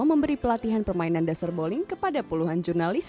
memberi pelatihan permainan dasar bowling kepada puluhan jurnalis